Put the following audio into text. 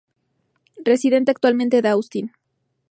Reside actualmente en Austin.